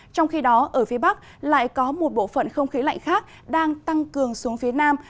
trong khi đó ở phía bắc lại có một bộ phận không khí lạnh khác đang tăng cường xuống phía nam